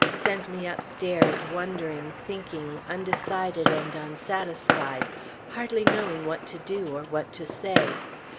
sent me upstairs wondering, thinking, undecided, and unsatisfied, hardly knowing what to do, or what to say.